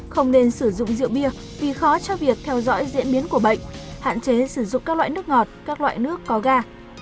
không nên sử dụng rượu bia vì khó cho việc theo dõi diễn biến của bệnh hạn chế sử dụng các loại nước ngọt các loại nước có ga